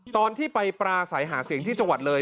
ตอนที่ไปปราศัยหาเสียงที่จังหวัดเลย